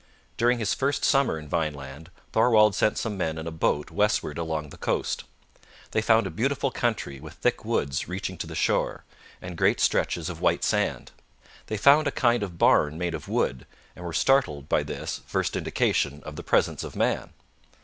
During his first summer in Vineland, Thorwald sent some men in a boat westward along the coast. They found a beautiful country with thick woods reaching to the shore, and great stretches of white sand. They found a kind of barn made of wood, and were startled by this first indication of the presence of man.